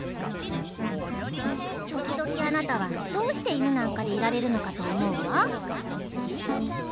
「時々あなたはどうして犬なんかでいられるのかと思うわ」。